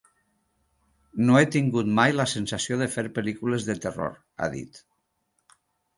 No he tingut mai la sensació de fer "pel·lícules de terror", ha dit.